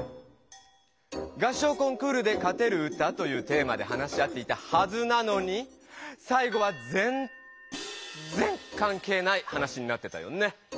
「合唱コンクールで勝てる歌」というテーマで話し合っていたはずなのにさい後はぜんぜんかんけいない話になってたよね？